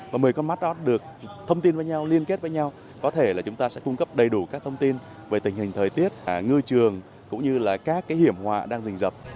và một mươi con mắt đó được thông tin với nhau liên kết với nhau có thể là chúng ta sẽ cung cấp đầy đủ các thông tin về tình hình thời tiết ngư trường cũng như là các cái hiểm họa đang dình dập